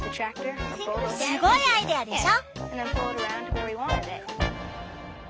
すごいアイデアでしょ！